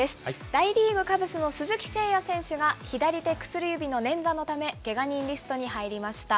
大リーグ・カブスの鈴木誠也選手が、左手薬指の捻挫のためけが人リストに入りました。